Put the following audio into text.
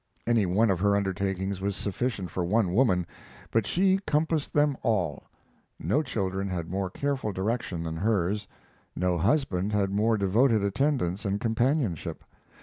Any one of her undertakings was sufficient for one woman, but she compassed them all. No children had more careful direction than hers. No husband had more devoted attendance and companionship.